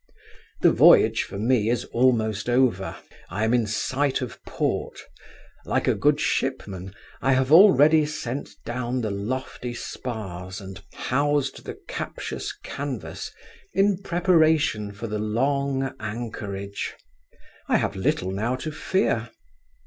The voyage for me is almost over: I am in sight of port: like a good shipman, I have already sent down the lofty spars and housed the captious canvas in preparation for the long anchorage: I have little now to fear.